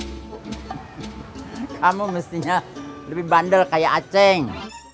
kamu mestinya lebih bandel kayak aceh